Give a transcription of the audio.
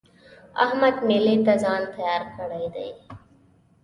احمد مېلې ته ځان تيار کړی دی.